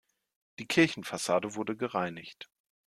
Die Kirchenfassade wurde gereinigt.